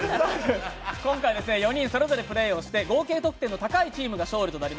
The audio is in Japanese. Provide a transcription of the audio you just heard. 今回、４人それぞれプレーして合計得点の高い方が勝利です。